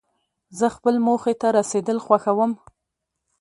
زه خپلې موخي ته رسېدل خوښوم.